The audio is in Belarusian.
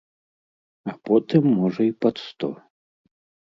А потым можа і пад сто.